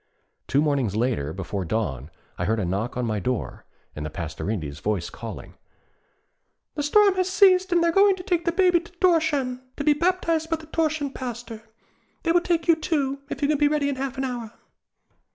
Two mornings later, before dawn, I heard a knock on my door, and the Pastorinde's voice calling, 'The storm has ceased and they are going to take the Baby to Thorshavn, to be baptized by the Thorshavn pastor. They will take you, too, if you can be ready in half an hour.'